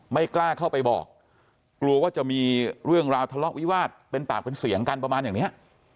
ไม่กล้าเข้าไปบอกกลัวว่าจะมีเรื่องราวทะเลาะวิวาสเป็นปากเป็นเสียงกันประมาณอย่างเนี้ย